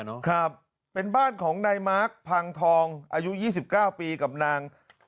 ครับเป็นบ้านของนายมาร์คพังทองอายุยี่สิบเก้าปีกับนาง